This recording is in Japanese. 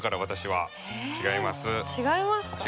違いますか？